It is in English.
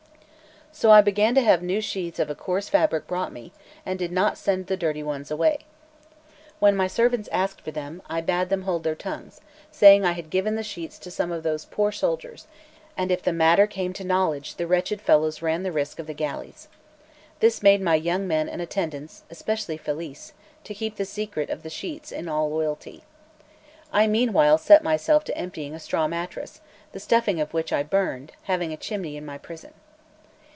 So I began to have new sheets of a coarse fabric brought me, and did not send the dirty ones away. When my servants asked for them, I bade them hold their tongues, saying I had given the sheets to some of those poor soldiers; and if the matter came to knowledge, the wretched fellows ran risk of the galleys. This made my young men and attendants, especially Felice, keep the secret of the sheets in all loyalty. I meanwhile set myself to emptying a straw mattress, the stuffing of which I burned, having a chimney in my prison.